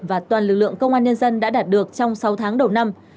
và toàn lực lượng công an nhân dân đã đạt được trong sáu tháng đầu năm